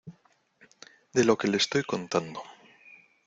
de lo que le estoy contando